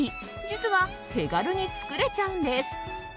実は手軽に作れちゃうんです。